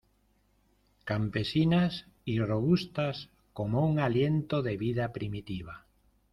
campesinas y robustas como un aliento de vida primitiva.